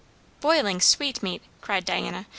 "Boiling sweetmeat!" cried Diana.